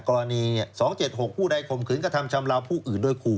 กรณีเนี้ยสองเจ็ดหกผู้ใดคมขึนกระทำชำเลาผู้อื่นด้วยคู่